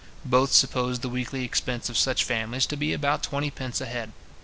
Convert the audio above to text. Both suppose the weekly expense of such families to be about twenty pence a head.